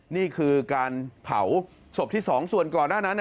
นี่คือการเผาศพที่๒ส่วนก่อนหน้านั้น